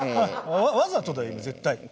わざとだよ今絶対。